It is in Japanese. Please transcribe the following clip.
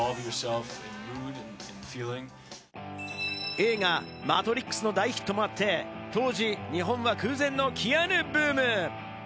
映画『マトリックス』の大ヒットもあって、当時日本は空前のキアヌブーム。